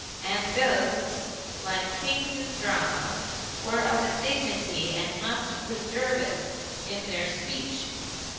And ghosts, like kings in drama, were of a dignity and must preserve it in their speech.